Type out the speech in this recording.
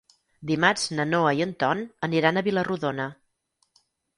Dimarts na Noa i en Ton aniran a Vila-rodona.